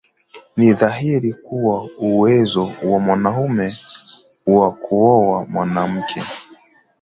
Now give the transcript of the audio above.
ni dhahiri kuwa uwezo wa mwanamume wa kuoa wanawake